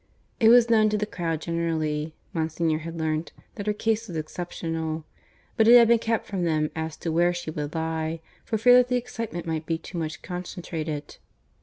It was known to the crowd generally, Monsignor had learnt, that her case was exceptional; but it had been kept from them as to where she would lie, for fear that the excitement might be too much concentrated.